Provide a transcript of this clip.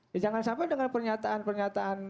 ya jangan sampai dengan pernyataan pernyataan